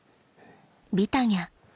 ビタニャ。